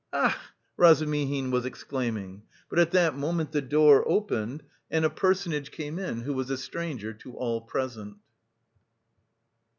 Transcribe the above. "A ach!" Razumihin was exclaiming, but at that moment the door opened and a personage came in who was a stranger to all present.